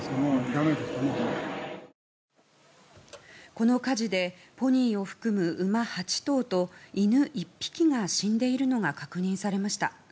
この火事でポニーを含む馬８頭と犬１匹が死んでいるのが確認されました。